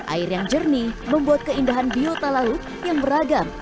air yang jernih membuat keindahan biota laut yang beragam